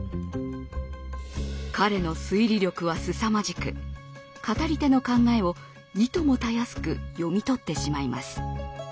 彼の推理力はすさまじく語り手の考えをいともたやすく読み取ってしまいます。